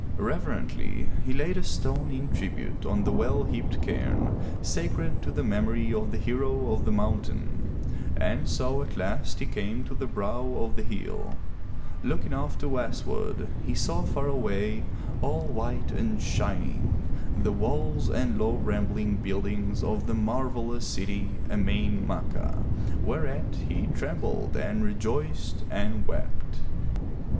Reverently he laid a stone in tribute on the well heaped cairni sacred to the memory of the hero of the mountain, and so at last he came to the brow of the hill. Looking off to westward, he saw far away, all white and shining, the walls and low rambling buildings of the marvelous city, Emain Macha, whereat he trembled and rejoiced and wept.